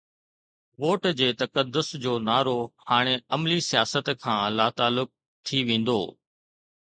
Vote جي تقدس جو نعرو هاڻي عملي سياست کان لاتعلق ٿي ويندو.